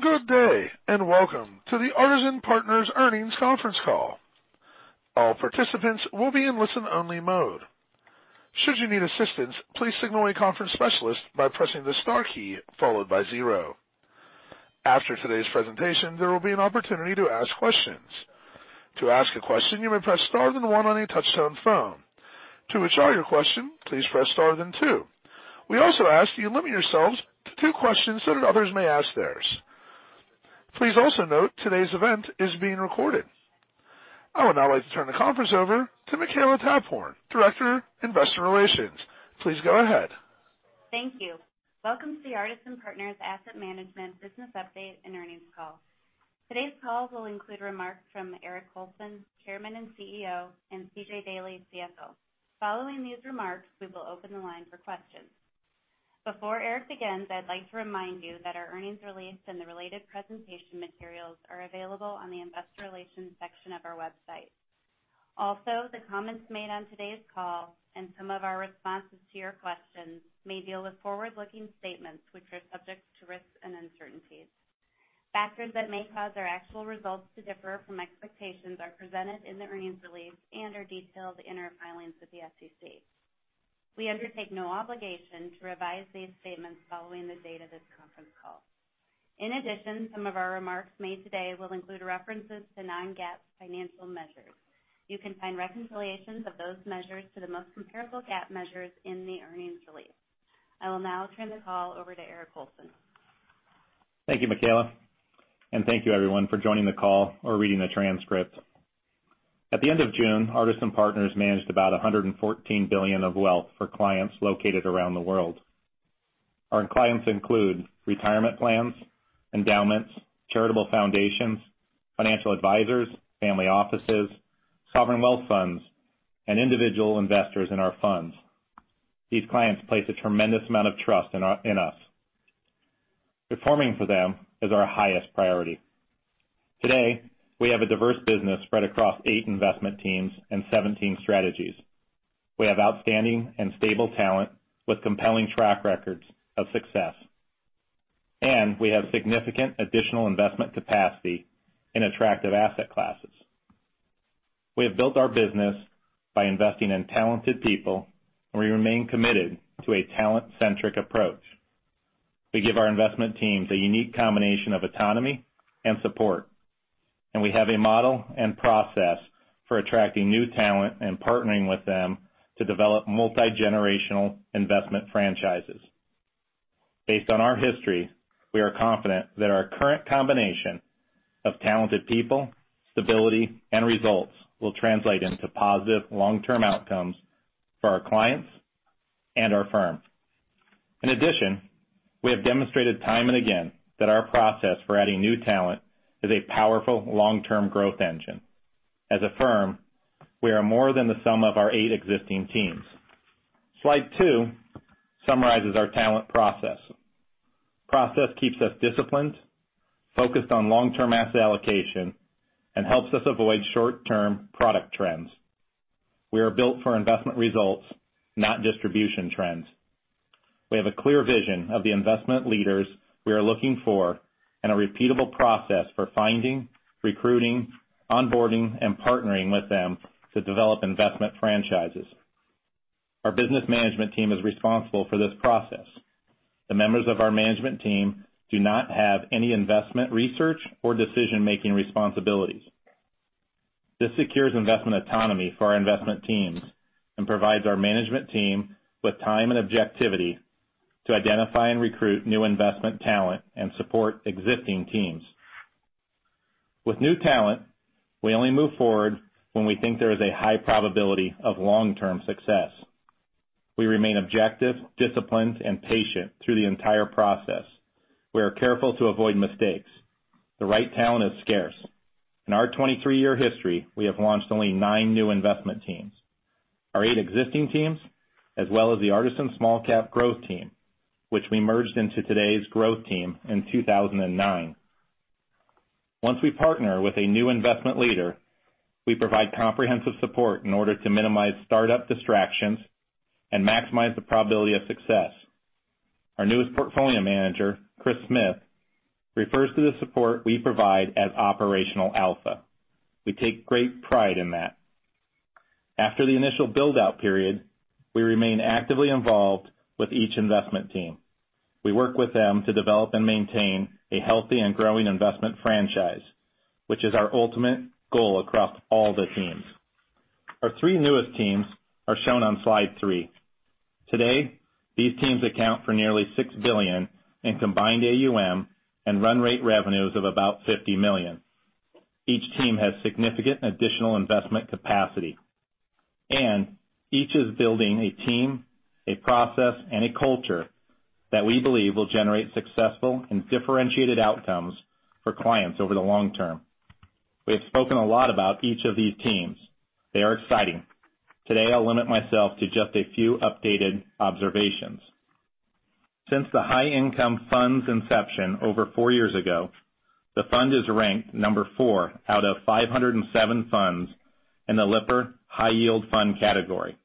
Good day. Welcome to the Artisan Partners Earnings Conference Call. All participants will be in listen only mode. Should you need assistance, please signal a conference specialist by pressing the star key followed by zero. After today's presentation, there will be an opportunity to ask questions. To ask a question, you may press star then one on your touch-tone phone. To withdraw your question, please press star then two. We also ask that you limit yourselves to two questions so that others may ask theirs. Please also note today's event is being recorded. I would now like to turn the conference over to Makela Taphorn, Director, Investor Relations. Please go ahead. Thank you. Welcome to the Artisan Partners Asset Management Business Update and Earnings Call. Today's call will include remarks from Eric Colson, Chairman and Chief Executive Officer, and C.J. Daley, Chief Financial Officer. Following these remarks, we will open the line for questions. Before Eric begins, I'd like to remind you that our earnings release and the related presentation materials are available on the investor relations section of our website. The comments made on today's call and some of our responses to your questions may deal with forward-looking statements, which are subject to risks and uncertainties. Factors that may cause our actual results to differ from expectations are presented in the earnings release and are detailed in our filings with the SEC. We undertake no obligation to revise these statements following the date of this conference call. In addition, some of our remarks made today will include references to non-GAAP financial measures. You can find reconciliations of those measures to the most comparable GAAP measures in the earnings release. I will now turn the call over to Eric Colson. Thank you, Makela. Thank you everyone for joining the call or reading the transcript. At the end of June, Artisan Partners managed about $114 billion of wealth for clients located around the world. Our clients include retirement plans, endowments, charitable foundations, financial advisors, family offices, sovereign wealth funds, and individual investors in our funds. These clients place a tremendous amount of trust in us. Performing for them is our highest priority. Today, we have a diverse business spread across eight investment teams and 17 strategies. We have outstanding and stable talent with compelling track records of success. We have significant additional investment capacity in attractive asset classes. We have built our business by investing in talented people, and we remain committed to a talent-centric approach. We give our investment teams a unique combination of autonomy and support, and we have a model and process for attracting new talent and partnering with them to develop multi-generational investment franchises. Based on our history, we are confident that our current combination of talented people, stability, and results will translate into positive long-term outcomes for our clients and our firm. We have demonstrated time and again that our process for adding new talent is a powerful long-term growth engine. We are more than the sum of our eight existing teams. Slide two summarizes our talent process. Process keeps us disciplined, focused on long-term asset allocation, and helps us avoid short-term product trends. We are built for investment results, not distribution trends. We have a clear vision of the investment leaders we are looking for, and a repeatable process for finding, recruiting, onboarding, and partnering with them to develop investment franchises. Our business management team is responsible for this process. The members of our management team do not have any investment research or decision-making responsibilities. This secures investment autonomy for our investment teams and provides our management team with time and objectivity to identify and recruit new investment talent and support existing teams. With new talent, we only move forward when we think there is a high probability of long-term success. We remain objective, disciplined, and patient through the entire process. We are careful to avoid mistakes. The right talent is scarce. In our 23-year history, we have launched only nine new investment teams. Our eight existing teams, as well as the Artisan Small Cap Growth team, which we merged into today's growth team in 2009. Once we partner with a new investment leader, we provide comprehensive support in order to minimize startup distractions and maximize the probability of success. Our newest portfolio manager, Chris Smith, refers to the support we provide as operational alpha. We take great pride in that. After the initial build-out period, we remain actively involved with each investment team. We work with them to develop and maintain a healthy and growing investment franchise, which is our ultimate goal across all the teams. Our three newest teams are shown on slide three. Today, these teams account for nearly $6 billion in combined AUM and run rate revenues of about $50 million. Each team has significant additional investment capacity. Each is building a team, a process, and a culture that we believe will generate successful and differentiated outcomes for clients over the long term. We have spoken a lot about each of these teams. They are exciting. Today, I will limit myself to just a few updated observations. Since the High Income Fund's inception over four years ago, the fund is ranked number 4 out of 507 funds in the Lipper High Yield Fund category.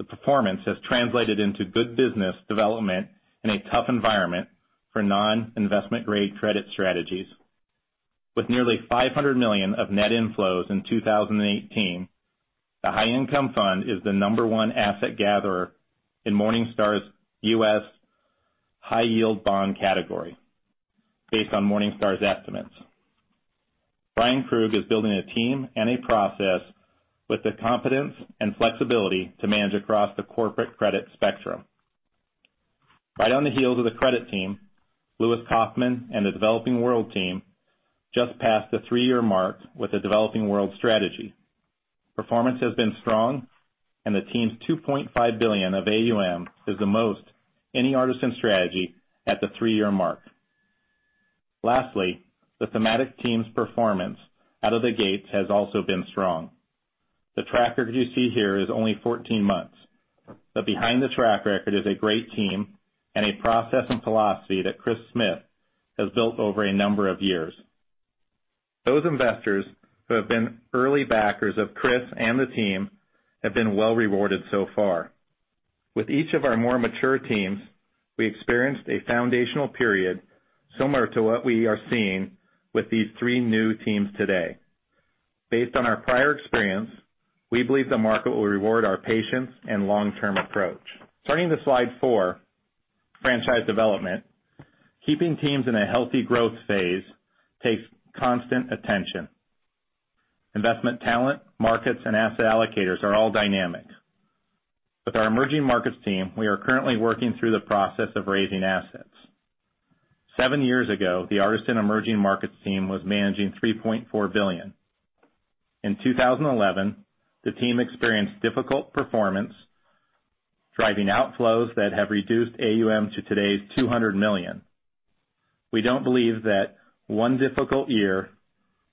The performance has translated into good business development in a tough environment for non-investment grade credit strategies. With nearly $500 million of net inflows in 2018, the High Income Fund is the number 1 asset gatherer in Morningstar's U.S. high yield bond category, based on Morningstar's estimates. Bryan Krug is building a team and a process with the competence and flexibility to manage across the corporate credit spectrum. Right on the heels of the Credit team, Lewis Kaufman and the Developing World team just passed the three-year mark with the Developing World strategy. Performance has been strong, and the team's $2.5 billion of AUM is the most any Artisan strategy at the three-year mark. Lastly, the Thematic team's performance out of the gates has also been strong. The track record you see here is only 14 months, but behind the track record is a great team and a process and philosophy that Chris Smith has built over a number of years. Those investors who have been early backers of Chris and the team have been well rewarded so far. With each of our more mature teams, we experienced a foundational period similar to what we are seeing with these three new teams today. Based on our prior experience, we believe the market will reward our patience and long-term approach. Turning to slide four, franchise development. Keeping teams in a healthy growth phase takes constant attention. Investment talent, markets, and asset allocators are all dynamic. With our Emerging Markets team, we are currently working through the process of raising assets. Seven years ago, the Artisan Emerging Markets team was managing $3.4 billion. In 2011, the team experienced difficult performance, driving outflows that have reduced AUM to today's $200 million. We don't believe that one difficult year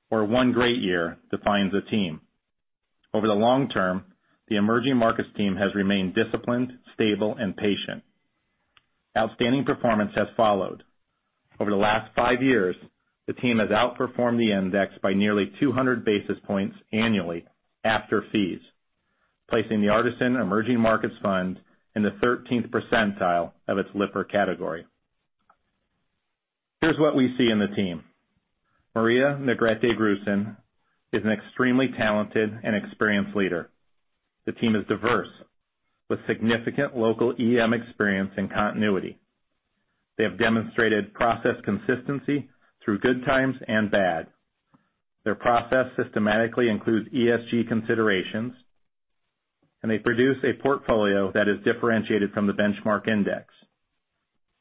or one great year defines a team. Over the long term, the Emerging Markets team has remained disciplined, stable, and patient. Outstanding performance has followed. Over the last five years, the team has outperformed the index by nearly 200 basis points annually after fees, placing the Artisan Emerging Markets Fund in the 13th percentile of its Lipper category. Here's what we see in the team. Maria Negrete-Grusin is an extremely talented and experienced leader. The team is diverse with significant local EM experience and continuity. They have demonstrated process consistency through good times and bad. Their process systematically includes ESG considerations, and they produce a portfolio that is differentiated from the benchmark index.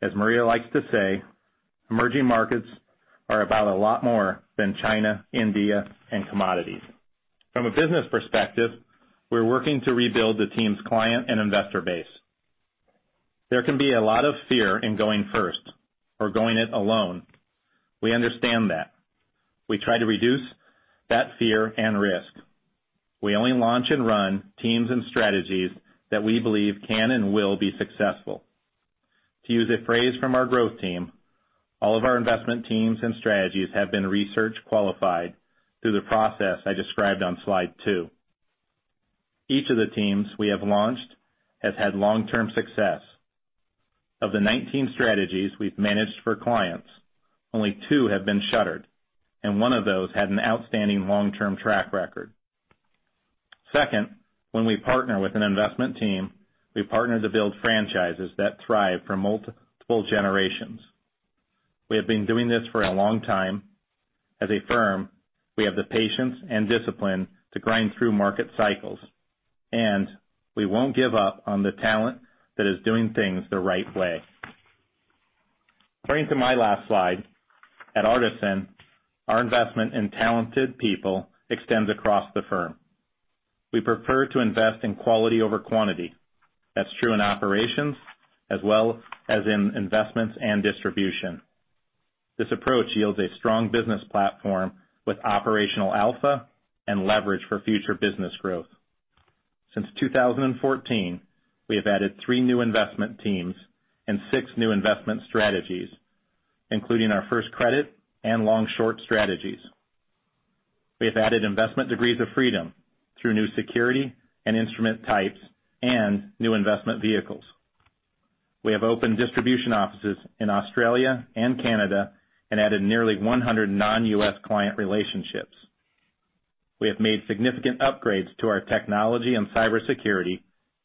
As Maria likes to say, emerging markets are about a lot more than China, India, and commodities. From a business perspective, we're working to rebuild the team's client and investor base. There can be a lot of fear in going first or going it alone. We understand that. We try to reduce that fear and risk. We only launch and run teams and strategies that we believe can and will be successful. To use a phrase from our Growth team, all of our investment teams and strategies have been research qualified through the process I described on slide two. Each of the teams we have launched has had long-term success. Of the 19 strategies we've managed for clients, only two have been shuttered, and one of those had an outstanding long-term track record. Second, when we partner with an investment team, we partner to build franchises that thrive for multiple generations. We have been doing this for a long time. As a firm, we have the patience and discipline to grind through market cycles, and we won't give up on the talent that is doing things the right way. Turning to my last slide. At Artisan, our investment in talented people extends across the firm. We prefer to invest in quality over quantity. That's true in operations as well as in investments and distribution. This approach yields a strong business platform with operational alpha and leverage for future business growth. Since 2014, we have added three new investment teams and six new investment strategies, including our first credit and long-short strategies. We have added investment degrees of freedom through new security and instrument types and new investment vehicles. We have opened distribution offices in Australia and Canada and added nearly 100 non-U.S. client relationships. We have made significant upgrades to our technology and cybersecurity,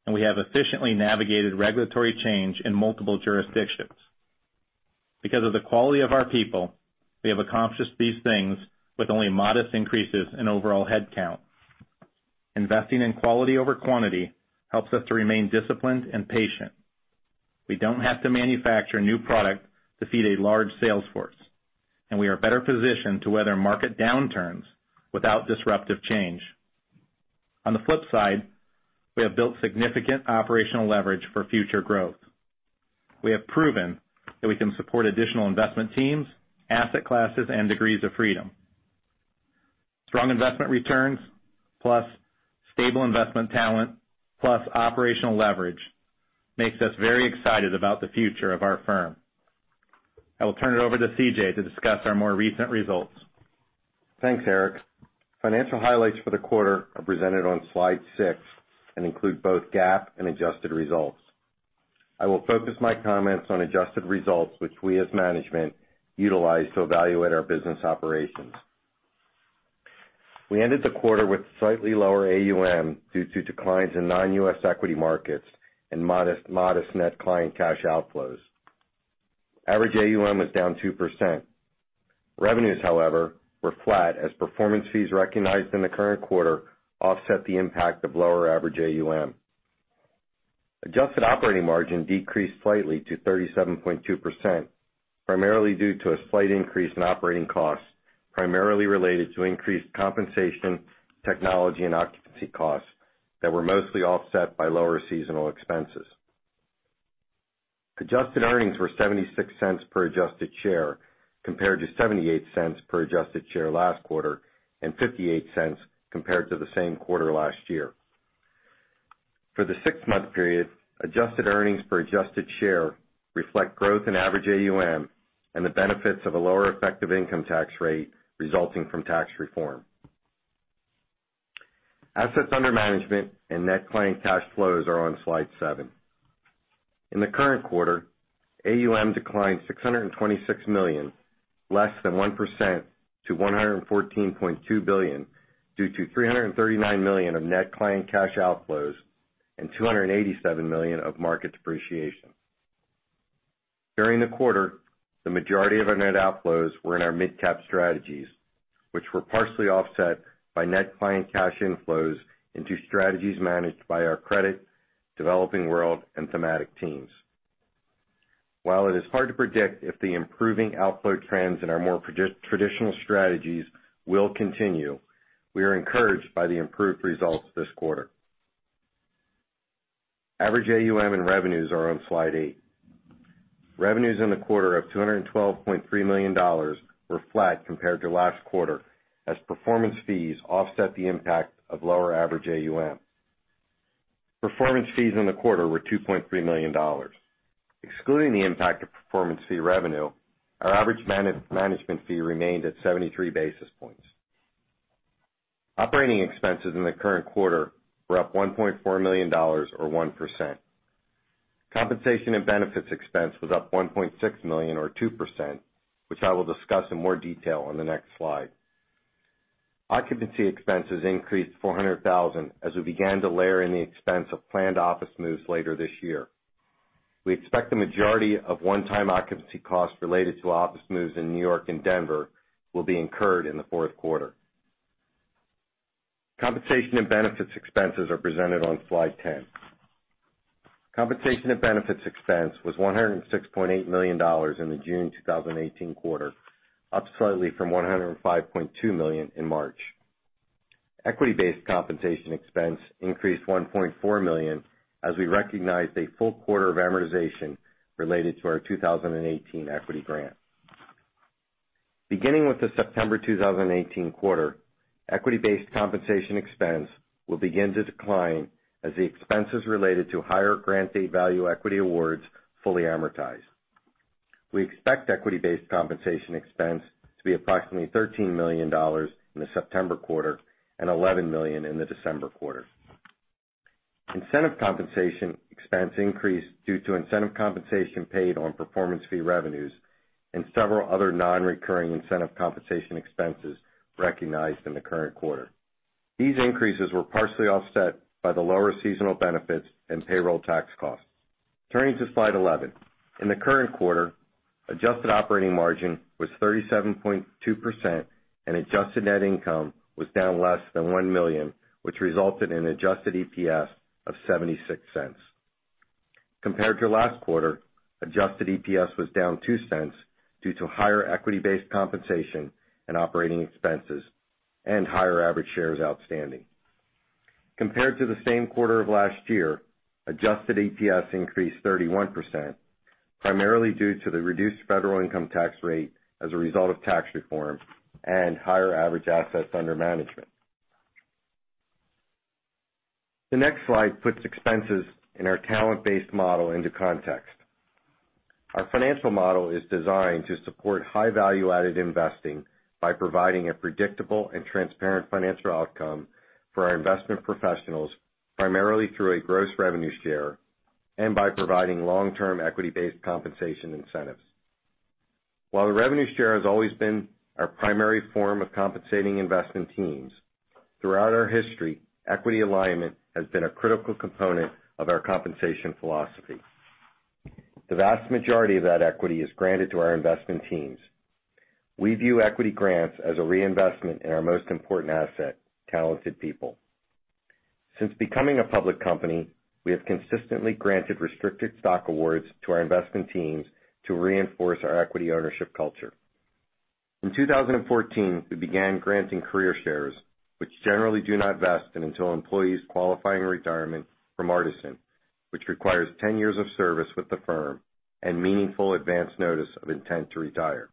and we have efficiently navigated regulatory change in multiple jurisdictions. Because of the quality of our people, we have accomplished these things with only modest increases in overall head count. Investing in quality over quantity helps us to remain disciplined and patient. We don't have to manufacture new product to feed a large sales force. We are better positioned to weather market downturns without disruptive change. On the flip side, we have built significant operational leverage for future growth. We have proven that we can support additional investment teams, asset classes, and degrees of freedom. Strong investment returns plus stable investment talent, plus operational leverage makes us very excited about the future of our firm. I will turn it over to C.J. to discuss our more recent results. Thanks, Eric. Financial highlights for the quarter are presented on slide six and include both GAAP and adjusted results. I will focus my comments on adjusted results, which we, as management, utilize to evaluate our business operations. We ended the quarter with slightly lower AUM due to declines in non-U.S. equity markets and modest net client cash outflows. Average AUM was down 2%. Revenues, however, were flat as performance fees recognized in the current quarter offset the impact of lower average AUM. Adjusted operating margin decreased slightly to 37.2%, primarily due to a slight increase in operating costs, primarily related to increased compensation, technology, and occupancy costs that were mostly offset by lower seasonal expenses. Adjusted earnings were $0.76 per adjusted share compared to $0.78 per adjusted share last quarter, and $0.58 compared to the same quarter last year. For the six-month period, adjusted earnings per adjusted share reflect growth in average AUM and the benefits of a lower effective income tax rate resulting from tax reform. Assets under management and net client cash flows are on slide seven. In the current quarter, AUM declined $626 million, less than 1%, to $114.2 billion due to $339 million of net client cash outflows and $287 million of market depreciation. During the quarter, the majority of our net outflows were in our midcap strategies, which were partially offset by net client cash inflows into strategies managed by our credit, developing world, and thematic teams. While it is hard to predict if the improving outflow trends in our more traditional strategies will continue, we are encouraged by the improved results this quarter. Average AUM and revenues are on slide eight. Revenues in the quarter of $212.3 million were flat compared to last quarter as performance fees offset the impact of lower average AUM. Performance fees in the quarter were $2.3 million. Excluding the impact of performance fee revenue, our average management fee remained at 73 basis points. Operating expenses in the current quarter were up $1.4 million or 1%. Compensation and benefits expense was up $1.6 million or 2%, which I will discuss in more detail on the next slide. Occupancy expenses increased to $400,000 as we began to layer in the expense of planned office moves later this year. We expect the majority of one-time occupancy costs related to office moves in New York and Denver will be incurred in the fourth quarter. Compensation and benefits expenses are presented on slide 10. Compensation and benefits expense was $106.8 million in the June 2018 quarter, up slightly from $105.2 million in March. Equity-based compensation expense increased $1.4 million as we recognized a full quarter of amortization related to our 2018 equity grant. Beginning with the September 2018 quarter, equity-based compensation expense will begin to decline as the expenses related to higher grant date value equity awards fully amortize. We expect equity-based compensation expense to be approximately $13 million in the September quarter and $11 million in the December quarter. Incentive compensation expense increased due to incentive compensation paid on performance fee revenues and several other non-recurring incentive compensation expenses recognized in the current quarter. These increases were partially offset by the lower seasonal benefits and payroll tax costs. Turning to slide 11. In the current quarter, adjusted operating margin was 37.2% and adjusted net income was down less than $1 million, which resulted in adjusted EPS of $0.76. Compared to last quarter, adjusted EPS was down $0.02 due to higher equity-based compensation and operating expenses and higher average shares outstanding. Compared to the same quarter of last year, adjusted EPS increased 31%, primarily due to the reduced federal income tax rate as a result of tax reform and higher average assets under management. The next slide puts expenses in our talent-based model into context. Our financial model is designed to support high value-added investing by providing a predictable and transparent financial outcome for our investment professionals, primarily through a gross revenue share and by providing long-term equity-based compensation incentives. While the revenue share has always been our primary form of compensating investment teams, throughout our history, equity alignment has been a critical component of our compensation philosophy. The vast majority of that equity is granted to our investment teams. We view equity grants as a reinvestment in our most important asset: talented people. Since becoming a public company, we have consistently granted restricted stock awards to our investment teams to reinforce our equity ownership culture. In 2014, we began granting career shares, which generally do not vest until employees qualifying retirement from Artisan, which requires 10 years of service with the firm and meaningful advance notice of intent to retire.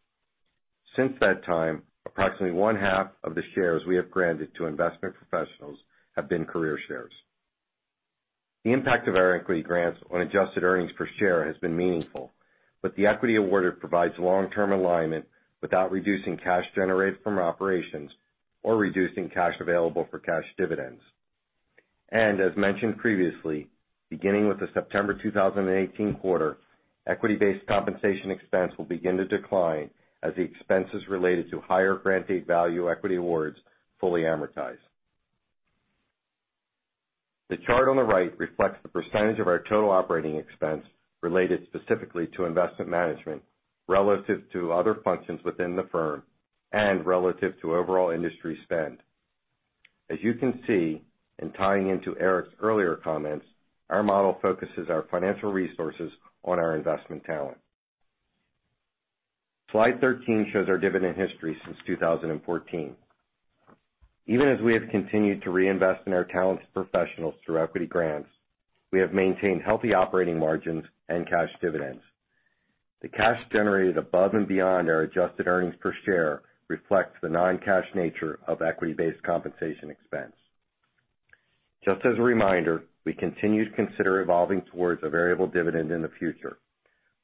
Since that time, approximately one-half of the shares we have granted to investment professionals have been career shares. The impact of our equity grants on adjusted earnings per share has been meaningful, but the equity awarded provides long-term alignment without reducing cash generated from operations or reducing cash available for cash dividends. As mentioned previously, beginning with the September 2018 quarter, equity-based compensation expense will begin to decline as the expenses related to higher grantee value equity awards fully amortize. The chart on the right reflects the percentage of our total operating expense related specifically to investment management, relative to other functions within the firm and relative to overall industry spend. As you can see, and tying into Eric's earlier comments, our model focuses our financial resources on our investment talent. Slide 13 shows our dividend history since 2014. Even as we have continued to reinvest in our talented professionals through equity grants, we have maintained healthy operating margins and cash dividends. The cash generated above and beyond our adjusted earnings per share reflects the non-cash nature of equity-based compensation expense. Just as a reminder, we continue to consider evolving towards a variable dividend in the future.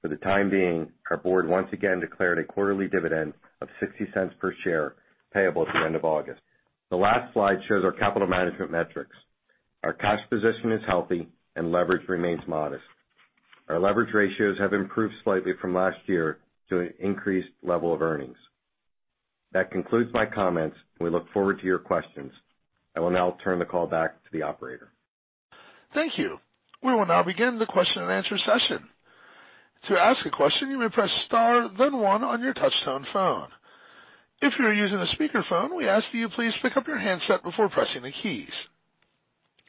For the time being, our board once again declared a quarterly dividend of $0.60 per share payable at the end of August. The last slide shows our capital management metrics. Our cash position is healthy and leverage remains modest. Our leverage ratios have improved slightly from last year due to an increased level of earnings. That concludes my comments. We look forward to your questions. I will now turn the call back to the operator. Thank you. We will now begin the question and answer session. To ask a question, you may press star then one on your touchtone phone. If you are using a speakerphone, we ask that you please pick up your handset before pressing the keys.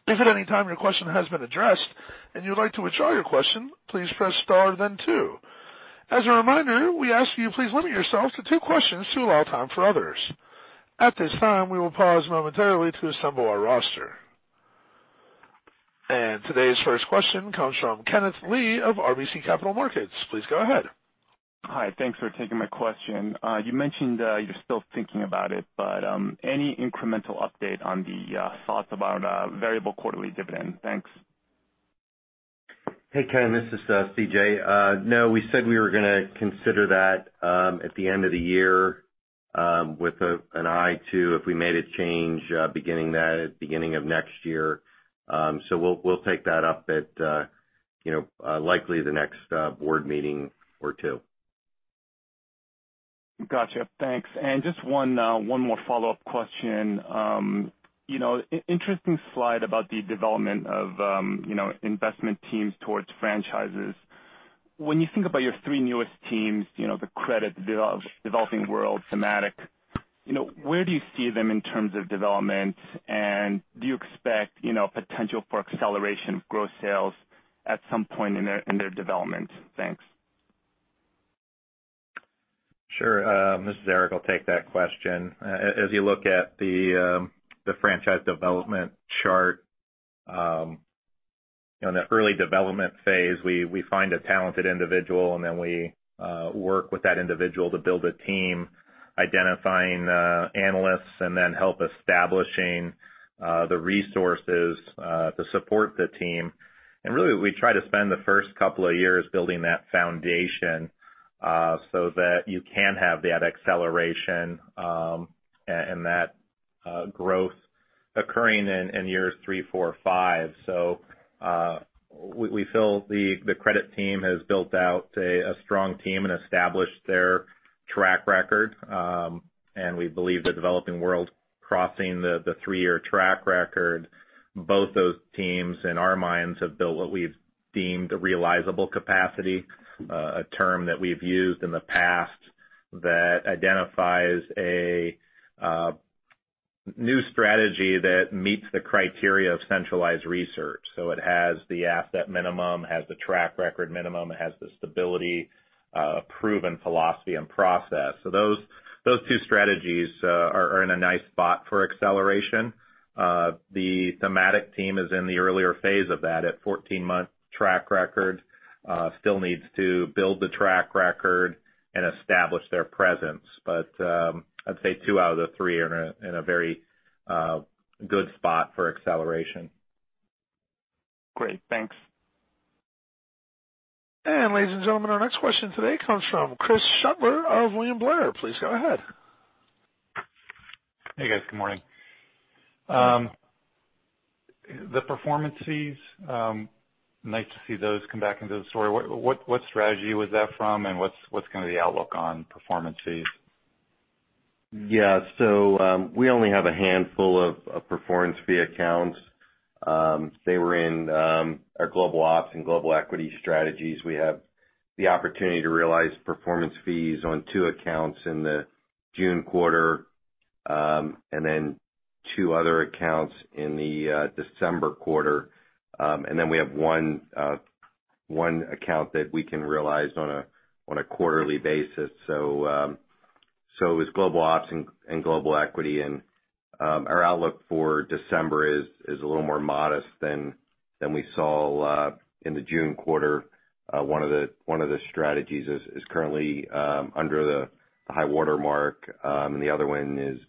If at any time your question has been addressed and you'd like to withdraw your question, please press star then two. As a reminder, we ask you please limit yourself to two questions to allow time for others. At this time, we will pause momentarily to assemble our roster. Today's first question comes from Kenneth Lee of RBC Capital Markets. Please go ahead. Hi. Thanks for taking my question. You mentioned you're still thinking about it, any incremental update on the thoughts about a variable quarterly dividend? Thanks. Hey, Ken, this is C.J. We said we were going to consider that at the end of the year with an eye to if we made a change beginning of next year. We'll take that up at likely the next board meeting or two. Got you. Thanks. Just one more follow-up question. Interesting slide about the development of investment teams towards franchises. When you think about your three newest teams, the credit, developing world, thematic, where do you see them in terms of development, and do you expect potential for acceleration of gross sales at some point in their development? Thanks. Sure. This is Eric. I'll take that question. You look at the franchise development chart, in the early development phase, we find a talented individual, we work with that individual to build a team, identifying analysts, help establishing the resources to support the team. Really, we try to spend the first couple of years building that foundation so that you can have that acceleration and that growth occurring in years three, four, five. We feel the Credit team has built out a strong team and established their track record. We believe the developing world crossing the three-year track record, both those teams, in our minds, have built what we've deemed realizable capacity, a term that we've used in the past that identifies a new strategy that meets the criteria of centralized research. It has the asset minimum, has the track record minimum, it has the stability, proven philosophy, and process. Those two strategies are in a nice spot for acceleration. The thematic team is in the earlier phase of that at 14-month track record. Still needs to build the track record and establish their presence. I'd say two out of the three are in a very good spot for acceleration. Great, thanks. Ladies and gentlemen, our next question today comes from Chris Shutler of William Blair. Please go ahead. Hey, guys. Good morning. The performance fees, nice to see those come back into the story. What strategy was that from, and what's going to be the outlook on performance fees? Yeah. We only have a handful of performance fee accounts. They were in our Global Opportunities and Global Equity strategies. We have the opportunity to realize performance fees on two accounts in the June quarter, two other accounts in the December quarter. We have one account that we can realize on a quarterly basis. It was Global Opportunities and Global Equity, and our outlook for December is a little more modest than we saw in the June quarter. One of the strategies is currently under the high water mark, and the other one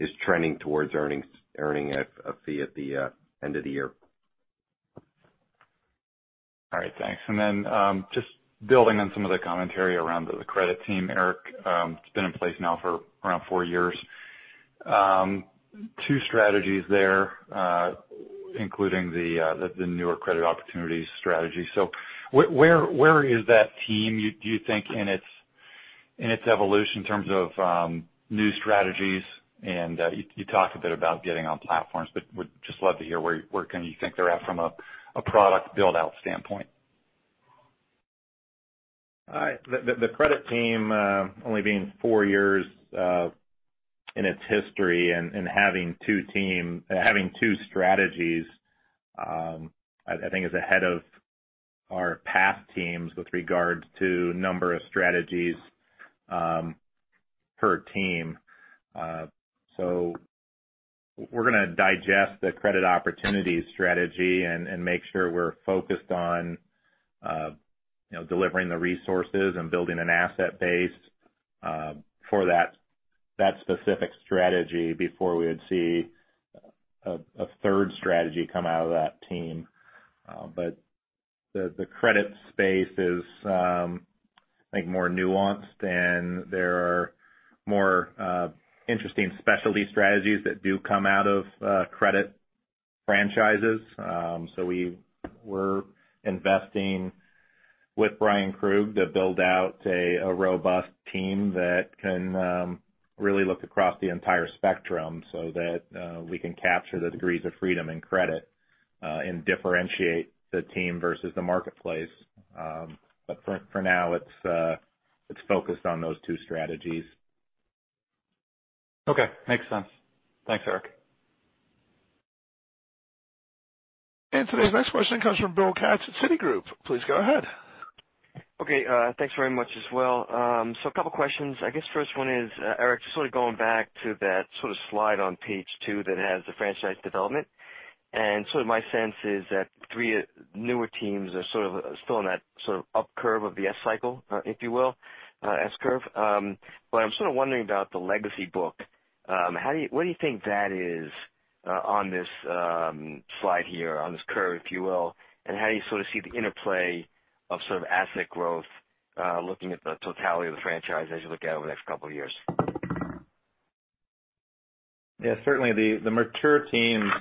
is trending towards earning a fee at the end of the year. All right, thanks. Just building on some of the commentary around the credit team, Eric, it's been in place now for around four years. Two strategies there, including the newer Credit Opportunities Strategy. Where is that team, do you think, in its evolution in terms of new strategies? You talked a bit about getting on platforms, but would just love to hear where you think they're at from a product build-out standpoint. All right. The credit team, only being four years in its history and having two strategies, I think is ahead of our past teams with regards to number of strategies per team. We're going to digest the Credit Opportunities Strategy and make sure we're focused on delivering the resources and building an asset base for that specific strategy before we would see a third strategy come out of that team. The credit space is, I think, more nuanced than there are more interesting specialty strategies that do come out of credit franchises. We're investing with Bryan Krug to build out a robust team that can really look across the entire spectrum so that we can capture the degrees of freedom in credit, and differentiate the team versus the marketplace. But for now, it's focused on those two strategies. Okay. Makes sense. Thanks, Eric. Today's next question comes from Bill Katz at Citigroup. Please go ahead. Okay. Thanks very much as well. A couple questions. I guess first one is, Eric, just sort of going back to that sort of slide on page two that has the franchise development. My sense is that three newer teams are sort of still on that sort of up curve of the S cycle, if you will, S-curve. I'm sort of wondering about the legacy book. Where do you think that is on this slide here, on this curve, if you will, and how do you sort of see the interplay of sort of asset growth, looking at the totality of the franchise as you look out over the next couple of years? Yeah, certainly the mature teams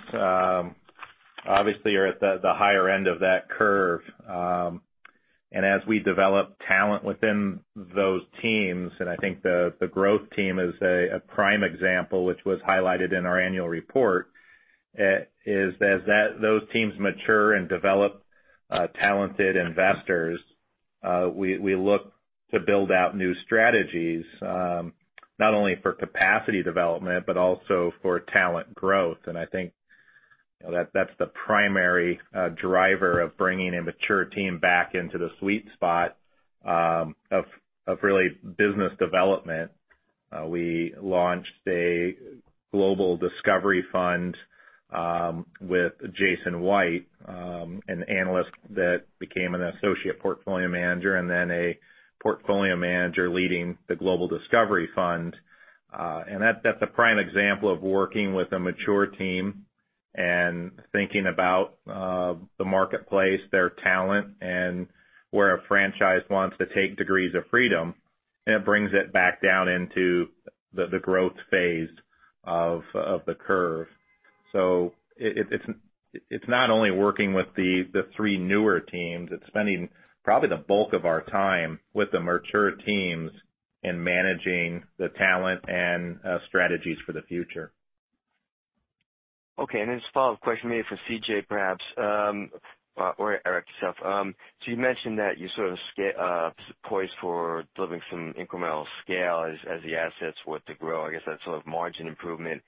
obviously are at the higher end of that curve. As we develop talent within those teams, I think the growth team is a prime example, which was highlighted in our annual report, is as those teams mature and develop talented investors, we look to build out new strategies, not only for capacity development, but also for talent growth. I think that's the primary driver of bringing a mature team back into the sweet spot of really business development. We launched a Global Discovery Fund with Jason White, an analyst that became an associate portfolio manager, and then a portfolio manager leading the Global Discovery Fund. That's a prime example of working with a mature team and thinking about the marketplace, their talent, and where a franchise wants to take degrees of freedom. It brings it back down into the growth phase of the curve. It's not only working with the three newer teams, it's spending probably the bulk of our time with the mature teams in managing the talent and strategies for the future. Okay, a follow-up question, maybe for C.J. perhaps, or Eric yourself. You mentioned that you're sort of poised for delivering some incremental scale as the assets were to grow, I guess that sort of margin improvement.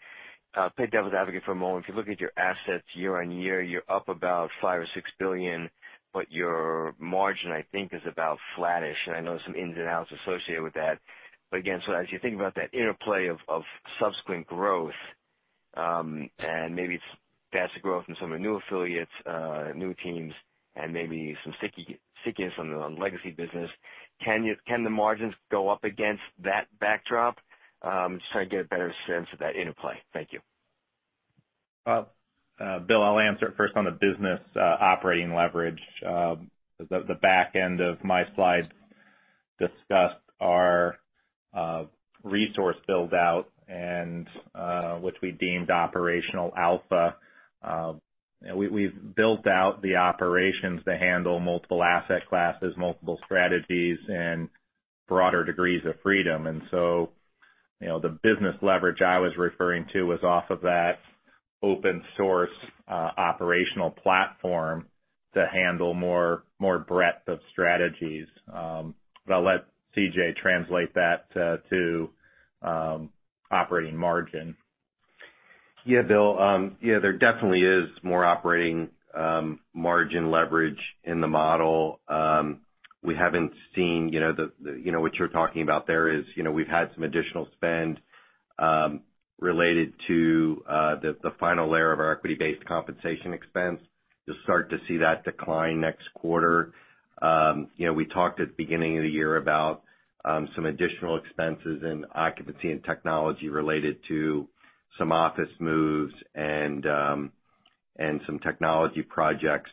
Play devil's advocate for a moment. If you look at your assets year-on-year, you're up about $5 billion or $6 billion, but your margin, I think, is about flattish, and I know there's some ins and outs associated with that. Again, as you think about that interplay of subsequent growth, maybe it's faster growth from some of the new affiliates, new teams, and maybe some stickiness on the legacy business, can the margins go up against that backdrop? I'm just trying to get a better sense of that interplay. Thank you. Bill, I'll answer it first on the business operating leverage. The back end of my slide discussed our resource build-out, which we deemed operational alpha. We've built out the operations to handle multiple asset classes, multiple strategies, and broader degrees of freedom. The business leverage I was referring to was off of that open source operational platform to handle more breadth of strategies. I'll let C.J. translate that to operating margin. Yeah, Bill. There definitely is more operating margin leverage in the model. We haven't seen what you're talking about there is we've had some additional spend related to the final layer of our equity-based compensation expense. You'll start to see that decline next quarter. We talked at the beginning of the year about some additional expenses in occupancy and technology related to some office moves and some technology projects.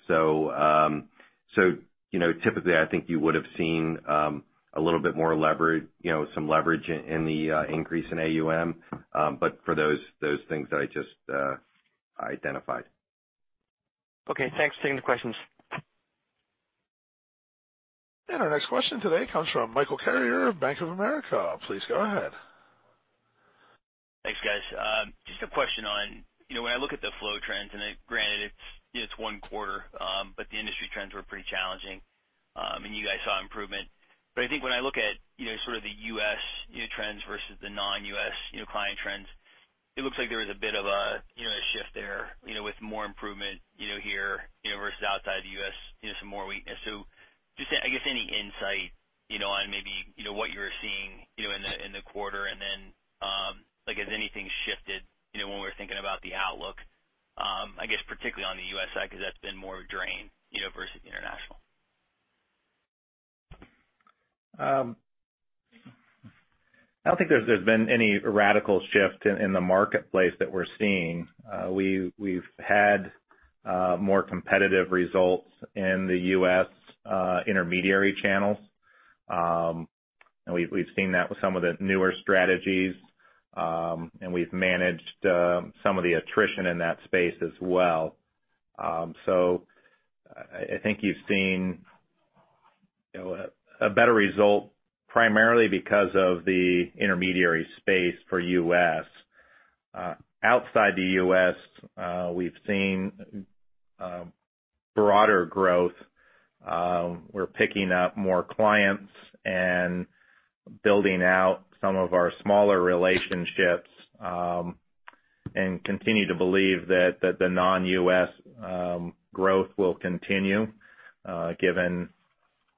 Typically, I think you would have seen a little bit more leverage, some leverage in the increase in AUM, but for those things that I just identified. Okay, thanks. Taking the questions. Our next question today comes from Michael Carrier of Bank of America. Please go ahead. Thanks, guys. Just a question on, when I look at the flow trends, and granted it's one quarter, but the industry trends were pretty challenging, and you guys saw improvement. I think when I look at sort of the U.S. trends versus the non-U.S. client trends, it looks like there was a bit of a shift there, with more improvement here versus outside the U.S., some more weakness. Just, I guess, any insight on maybe what you're seeing in the quarter, and then has anything shifted when we're thinking about the outlook, I guess particularly on the U.S. side, because that's been more of a drain versus international. I don't think there's been any radical shift in the marketplace that we're seeing. We've had more competitive results in the U.S. intermediary channels. We've seen that with some of the newer strategies. We've managed some of the attrition in that space as well. I think you've seen a better result primarily because of the intermediary space for U.S. Outside the U.S., we've seen broader growth. We're picking up more clients and building out some of our smaller relationships, and continue to believe that the non-U.S. growth will continue given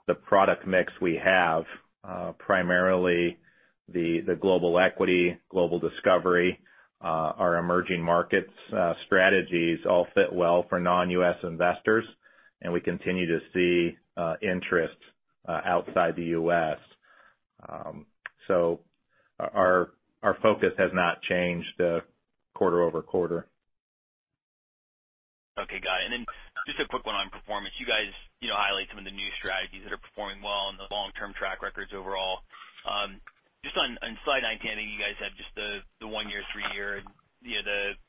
the product mix we have. Primarily the Global Equity, Global Discovery, our emerging markets strategies all fit well for non-U.S. investors, and we continue to see interest outside the U.S. Our focus has not changed quarter-over-quarter. Okay, got it. Just a quick one on performance. You guys highlight some of the new strategies that are performing well on the long-term track records overall. Just on slide 19, I think you guys had just the one-year, three-year, and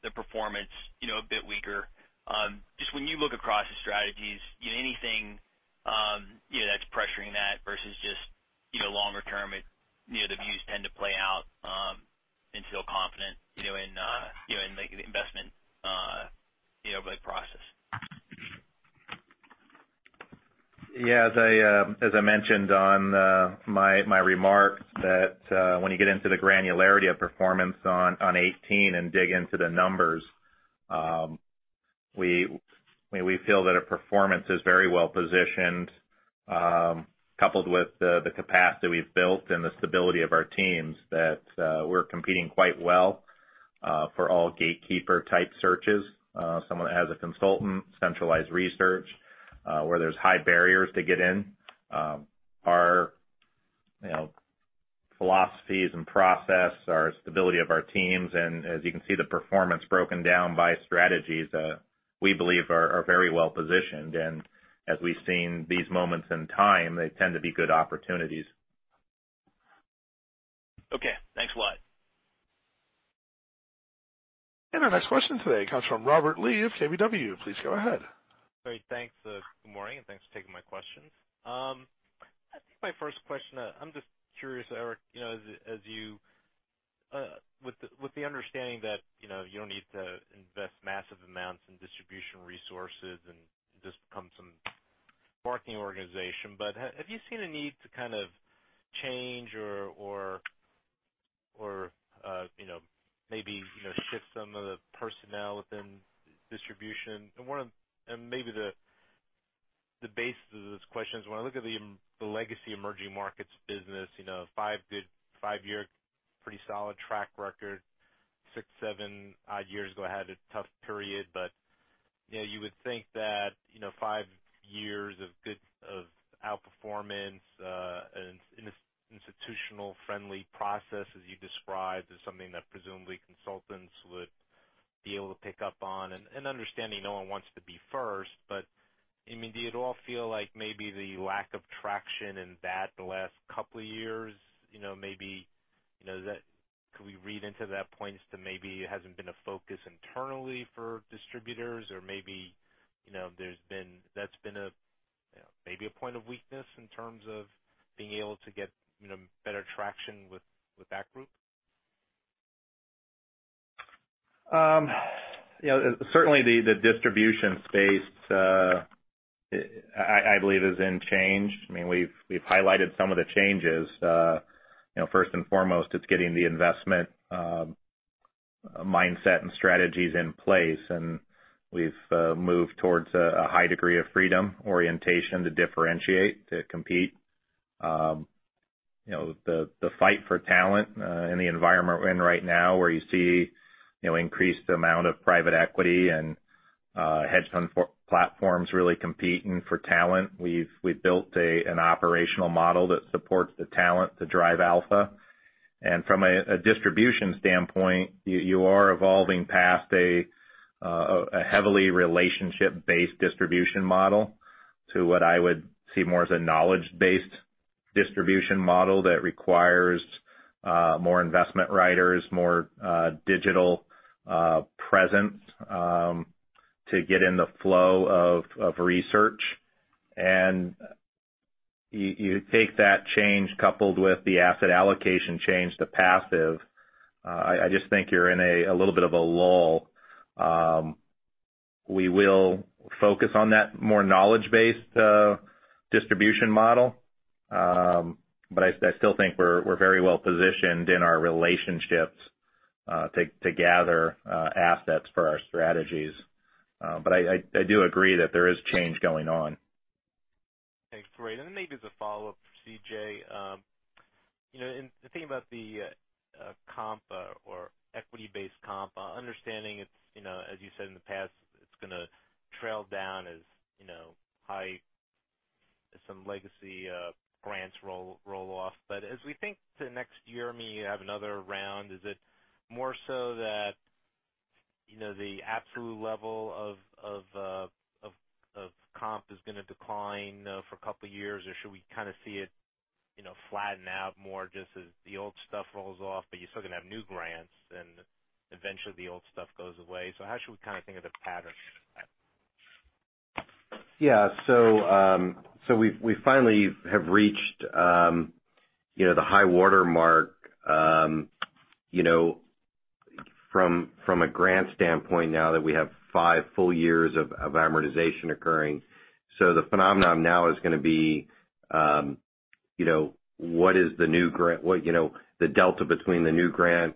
the performance a bit weaker. Just when you look across the strategies, anything that's pressuring that versus just longer term, the views tend to play out and feel confident in the investment process. Yeah, as I mentioned on my remarks that when you get into the granularity of performance on 18 and dig into the numbers, we feel that our performance is very well positioned, coupled with the capacity we've built and the stability of our teams, that we're competing quite well for all gatekeeper type searches. Someone that has a consultant, centralized research, where there's high barriers to get in. Our philosophies and process, our stability of our teams, as you can see, the performance broken down by strategies, we believe are very well positioned. As we've seen these moments in time, they tend to be good opportunities. Okay. Thanks a lot. Our next question today comes from Robert Lee of KBW. Please go ahead. Great. Thanks. Good morning, and thanks for taking my question. I think my first question, I'm just curious, Eric, with the understanding that you don't need to invest massive amounts in distribution resources and just become some marketing organization. Have you seen a need to kind of change or maybe shift some of the personnel within distribution? Maybe the basis of this question is when I look at the legacy emerging markets business, five good five-year, pretty solid track record. Six, seven odd years ago had a tough period, but you would think that five years of outperformance and institutional-friendly process, as you described, is something that presumably consultants would be able to pick up on. Understanding no one wants to be first, but do you at all feel like maybe the lack of traction in that the last couple of years, could we read into that points to maybe it hasn't been a focus internally for distributors? Or maybe that's been a point of weakness in terms of being able to get better traction with that group? Certainly the distribution space, I believe is in change. We've highlighted some of the changes. First and foremost, it's getting the investment mindset and strategies in place. We've moved towards a high degree of freedom orientation to differentiate, to compete. The fight for talent in the environment we're in right now, where you see increased amount of private equity and hedge fund platforms really competing for talent. We've built an operational model that supports the talent to drive alpha. From a distribution standpoint, you are evolving past a heavily relationship-based distribution model to what I would see more as a knowledge-based distribution model that requires more investment writers, more digital presence to get in the flow of research. You take that change coupled with the asset allocation change to passive, I just think you're in a little bit of a lull. We will focus on that more knowledge-based distribution model. I still think we're very well positioned in our relationships to gather assets for our strategies. I do agree that there is change going on. Thanks. Great. Then maybe as a follow-up for C.J. In thinking about the comp or equity-based comp, understanding it, as you said in the past, it's going to trail down as high as some legacy grants roll off. As we think to next year, maybe you have another round. Is it more so that the absolute level of comp is going to decline for a couple of years, or should we see it flatten out more just as the old stuff rolls off, but you're still going to have new grants, and eventually the old stuff goes away? How should we think of the pattern here? We finally have reached the high water mark from a grant standpoint now that we have five full years of amortization occurring. The phenomenon now is going to be what is the delta between the new grant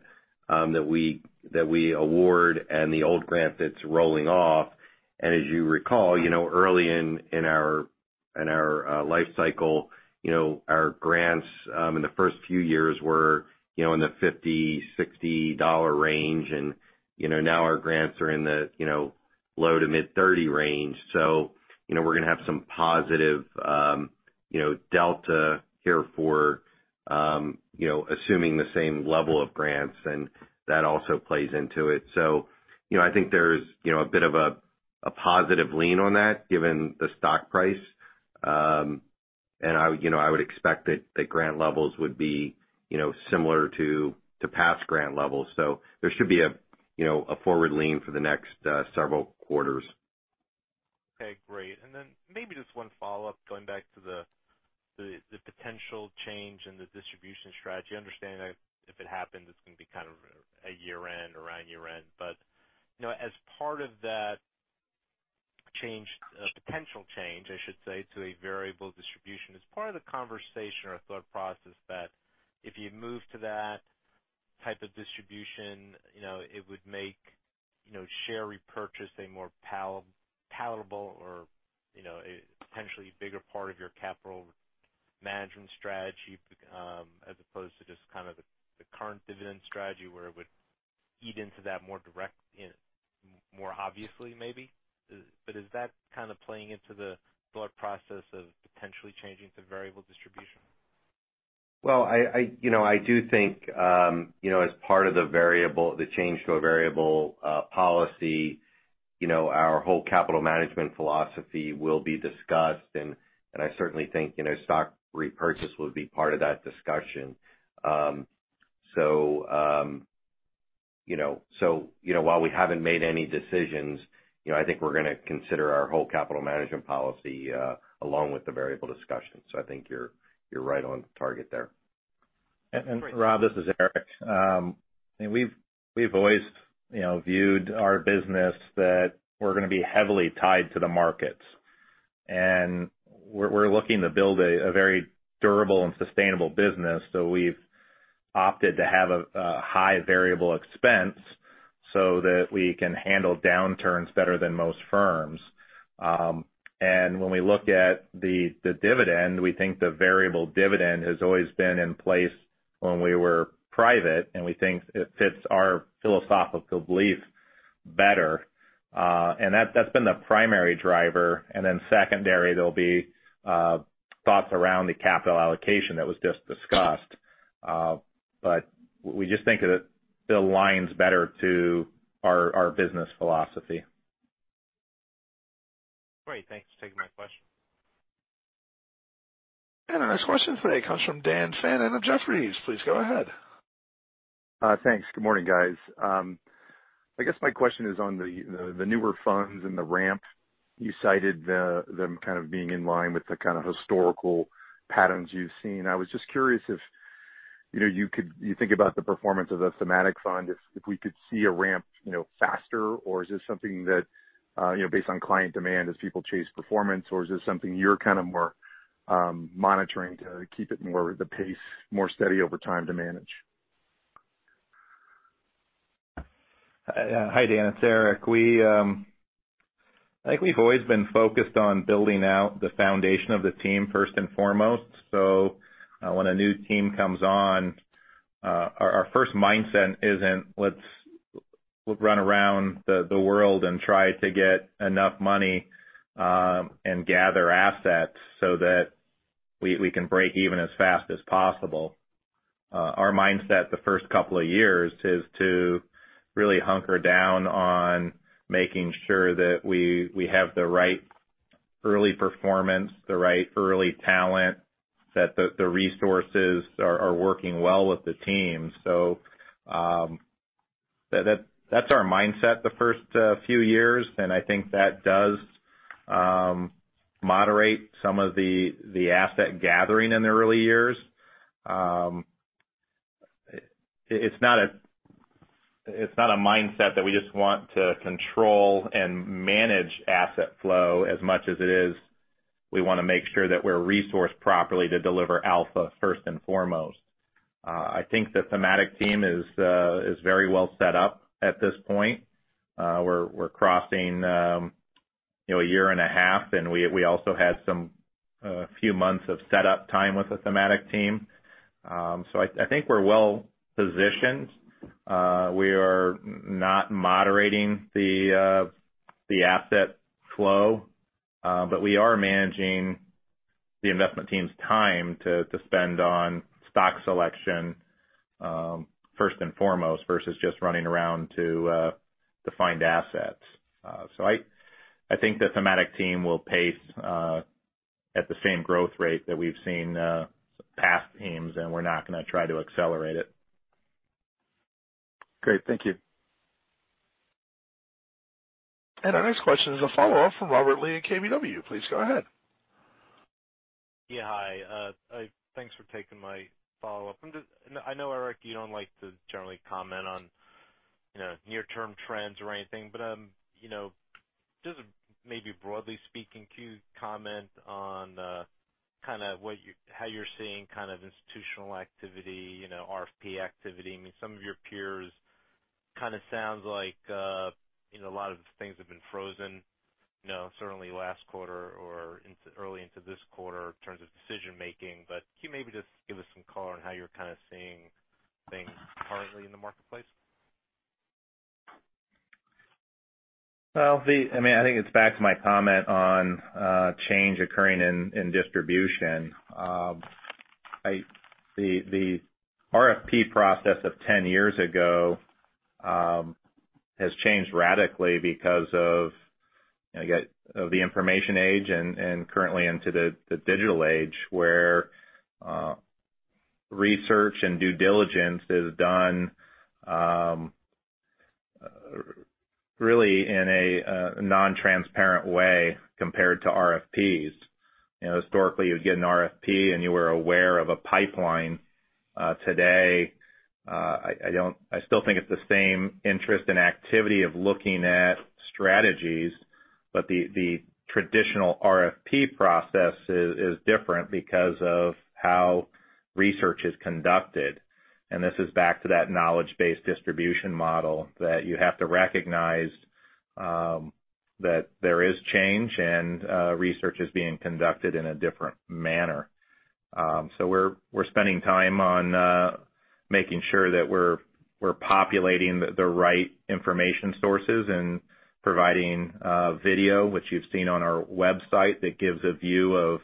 that we award and the old grant that's rolling off. As you recall, early in our life cycle, our grants in the first few years were in the $50, $60 range. Now our grants are in the low to mid $30 range. We're going to have some positive delta here for assuming the same level of grants, and that also plays into it. I think there's a bit of a positive lean on that given the stock price. I would expect that grant levels would be similar to past grant levels. There should be a forward lean for the next several quarters. Okay, great. Then maybe just one follow-up, going back to the potential change in the distribution strategy. Understanding that if it happens, it's going to be a year-end, around year-end. As part of that change, potential change, I should say, to a variable distribution, as part of the conversation or thought process that if you move to that type of distribution, it would make share repurchase a more palatable or potentially bigger part of your capital management strategy as opposed to just the current dividend strategy where it would eat into that more obviously, maybe. Is that playing into the thought process of potentially changing to variable distribution? Well, I do think as part of the change to a variable policy, our whole capital management philosophy will be discussed, and I certainly think stock repurchase will be part of that discussion. While we haven't made any decisions, I think we're going to consider our whole capital management policy along with the variable discussion. I think you're right on target there. Great. Rob, this is Eric. We've always viewed our business that we're going to be heavily tied to the markets. We're looking to build a very durable and sustainable business. We've opted to have a high variable expense so that we can handle downturns better than most firms. When we look at the dividend, we think the variable dividend has always been in place when we were private, and we think it fits our philosophical belief better. That's been the primary driver. Then secondary, there'll be thoughts around the capital allocation that was just discussed. We just think it aligns better to our business philosophy. Great. Thanks for taking my question. Our next question today comes from Dan Fannon of Jefferies. Please go ahead. Thanks. Good morning, guys. I guess my question is on the newer funds and the ramp. You cited them being in line with the historical patterns you've seen. I was just curious if you think about the performance of the thematic fund, if we could see a ramp faster, or is this something that based on client demand as people chase performance, or is this something you're more monitoring to keep it more the pace, more steady over time to manage? Yeah. Hi, Dan, it's Eric. I think we've always been focused on building out the foundation of the team, first and foremost. When a new team comes on, our first mindset isn't, let's run around the world and try to get enough money, and gather assets so that we can break even as fast as possible. Our mindset the first couple of years is to really hunker down on making sure that we have the right early performance, the right early talent, that the resources are working well with the team. That's our mindset the first few years, and I think that does moderate some of the asset gathering in the early years. It's not a mindset that we just want to control and manage asset flow as much as it is, we want to make sure that we're resourced properly to deliver alpha first and foremost. I think the thematic team is very well set up at this point. We're crossing a year and a half, and we also had a few months of set-up time with the thematic team. I think we're well-positioned. We are not moderating the asset flow, but we are managing the investment team's time to spend on stock selection, first and foremost, versus just running around to find assets. I think the thematic team will pace at the same growth rate that we've seen past teams, and we're not going to try to accelerate it. Great. Thank you. Our next question is a follow-up from Robert Lee at KBW. Please go ahead. Yeah. Hi. Thanks for taking my follow-up. I know, Eric, you don't like to generally comment on near-term trends or anything, but just maybe broadly speaking, can you comment on how you're seeing institutional activity, RFP activity? I mean, some of your peers kind of sounds like a lot of things have been frozen, certainly last quarter or early into this quarter in terms of decision-making. Can you maybe just give us some color on how you're kind of seeing things currently in the marketplace? Well, I think it's back to my comment on change occurring in distribution. The RFP process of 10 years ago, has changed radically because of the information age and currently into the digital age, where research and due diligence is done really in a non-transparent way compared to RFPs. Historically, you would get an RFP, and you were aware of a pipeline. Today, I still think it's the same interest and activity of looking at strategies, but the traditional RFP process is different because of how research is conducted. This is back to that knowledge-based distribution model that you have to recognize that there is change and research is being conducted in a different manner. We're spending time on making sure that we're populating the right information sources and providing video, which you've seen on our website, that gives a view of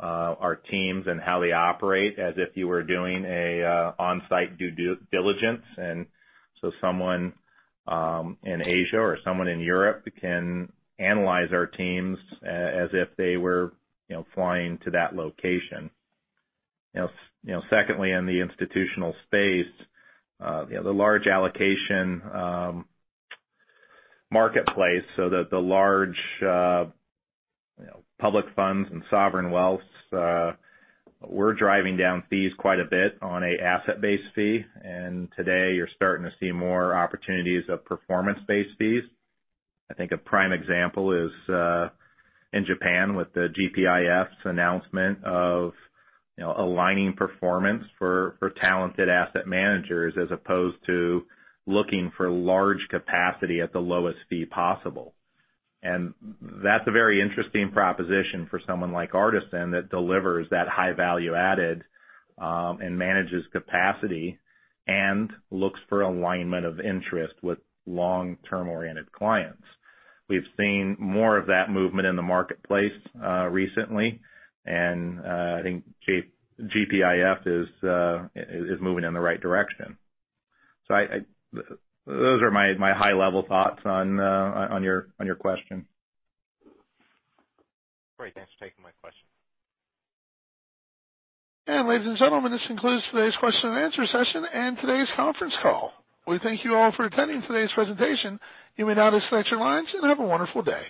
our teams and how they operate as if you were doing an on-site due diligence. Someone in Asia or someone in Europe can analyze our teams as if they were flying to that location. Secondly, in the institutional space, the large allocation marketplace, the large public funds and sovereign wealth, we're driving down fees quite a bit on an asset-based fee. Today, you're starting to see more opportunities of performance-based fees. I think a prime example is in Japan with the GPIF's announcement of aligning performance for talented asset managers as opposed to looking for large capacity at the lowest fee possible. That's a very interesting proposition for someone like Artisan that delivers that high value-added, and manages capacity and looks for alignment of interest with long-term oriented clients. We've seen more of that movement in the marketplace recently, and I think GPIF is moving in the right direction. Those are my high-level thoughts on your question. Great. Thanks for taking my question. Ladies and gentlemen, this concludes today's question and answer session and today's conference call. We thank you all for attending today's presentation. You may now disconnect your lines, and have a wonderful day.